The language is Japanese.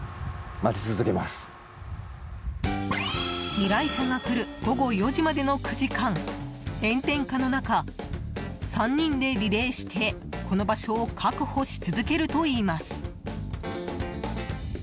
依頼者が来る午後４時までの９時間炎天下の中、３人でリレーしてこの場所を確保し続けるといいます。